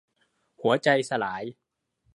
หัวใจสลาย